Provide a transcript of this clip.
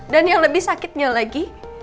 yang lebih sakitnya lagi